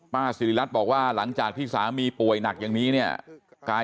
สิริรัตน์บอกว่าหลังจากที่สามีป่วยหนักอย่างนี้เนี่ยกาย